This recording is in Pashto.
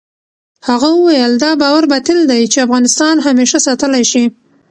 هغه وویل، دا باور باطل دی چې افغانستان همېشه ساتلای شي.